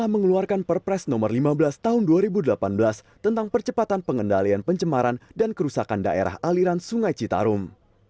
mengeluarkan perpres nomor lima belas tahun dua ribu delapan belas tentang percepatan pengendalian pencemaran dan kerusakan daerah aliran sungai citarum